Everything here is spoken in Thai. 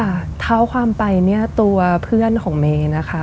ค่ะเท่าความไปตัวเพื่อนของเมนะคะ